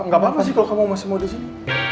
gapapa sih kalau kamu masih mau di sini